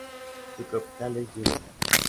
Su capital es Jinan.